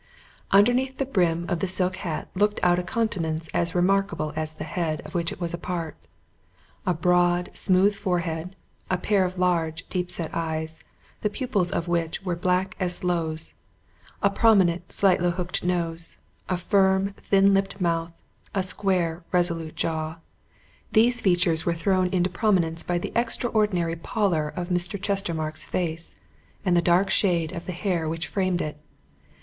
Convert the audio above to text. Underneath the brim of the silk hat looked out a countenance as remarkable as the head of which it was a part. A broad, smooth forehead, a pair of large, deep set eyes, the pupils of which were black as sloes, a prominent, slightly hooked nose, a firm, thin lipped mouth, a square, resolute jaw these features were thrown into prominence by the extraordinary pallor of Mr. Chestermarke's face, and the dark shade of the hair which framed it.